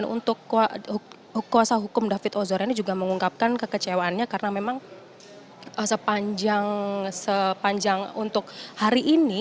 untuk kuasa hukum david ozora ini juga mengungkapkan kekecewaannya karena memang sepanjang untuk hari ini